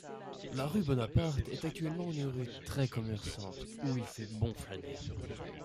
La rue Bonaparte est actuellement une rue très commerçante où il fait bon flâner.